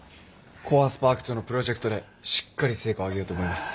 コアスパークとのプロジェクトでしっかり成果を挙げようと思います。